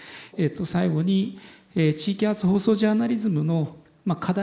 最後に地域発放送ジャーナリズムの課題